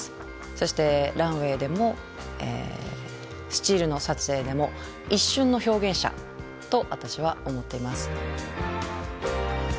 そしてランウェイでもスチールの撮影でも一瞬の表現者と私は思っています。